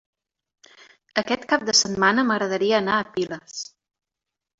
Aquest cap de setmana m'agradaria anar a Piles.